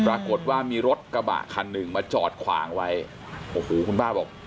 ปรากฏว่ามีรถกระบะคันหนึ่งมาจอดขวางไว้โอ้โหคุณป้าบอก